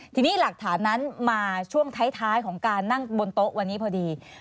ทีนี้หลักฐานนั้นมาช่วงท้ายของการนั่งบนโต๊ะวันนี้พอดี